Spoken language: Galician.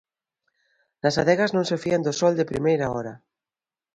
Nas adegas non se fían do sol de primeira hora.